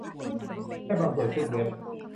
แค่บางส่วนขึ้นเว็บ